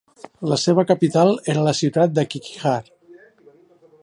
La seva capital era la ciutat de Qiqihar.